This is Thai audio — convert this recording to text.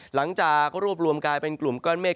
หลังจากรวบรวมกลายเป็นกลุ่มแมค